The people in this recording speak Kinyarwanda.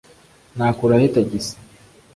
nakura he tagisi